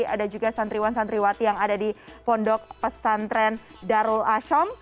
ada juga santriwan santriwati yang ada di pondok pesantren darul asyam